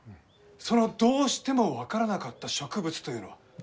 そのどうしても分からなかった植物というのは？